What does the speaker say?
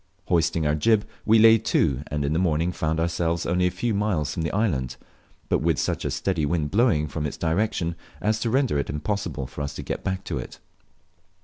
Hoisting our jib, we lay to, and in the morning found ourselves only a few miles from the island, but wit, such a steady wind blowing from its direction as to render it impossible for us to get back to it.